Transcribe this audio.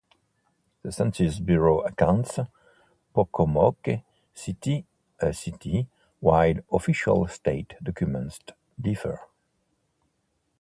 The Census Bureau accounts Pocomoke City a city, while official state documents differ.